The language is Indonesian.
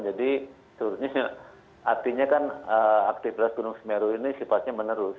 jadi artinya kan aktivitas gunung semeru ini sifatnya menerus